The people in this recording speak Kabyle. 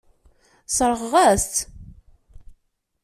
Sseṛɣeɣ-as-t.